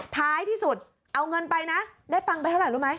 ท้ายที่สุดเอาเงินไปนะได้ตังค์ไปเท่าไหร่รู้ไหม